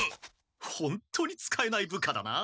ホントに使えない部下だな。